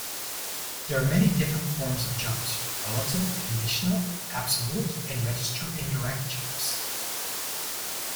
There are many different forms of jumps: relative, conditional, absolute and register-indirect jumps.